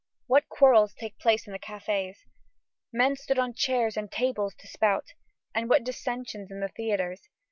What quarrels take place in the cafés! Men stand on chairs and tables to spout. And what dissensions in the theatres!